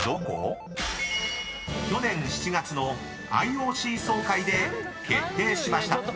［去年７月のＩＯＣ総会で決定しました］